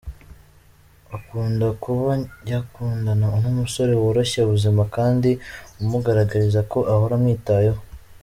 Akunda kuba yakundana n’umusore woroshya ubuzima kandi umugaragariza ko ahora amwitayeho.